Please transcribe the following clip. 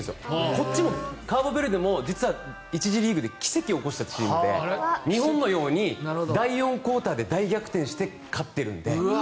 こっちも、カーボベルデも実は１次リーグで奇跡を起こしたチームで日本のように第４クオーターで大逆転して勝っているので。